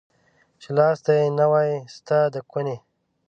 چي لاستى يې نه واى ستا د کوني.